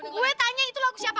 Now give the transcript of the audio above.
gue tanya itu lagu siapa